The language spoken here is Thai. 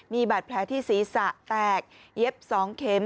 มีบาดแผลที่ศีรษะแตกเย็บ๒เข็ม